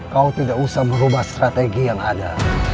kau tidak usah merubah strategi yang ada